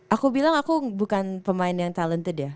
aku bilang aku bukan pemain yang talented ya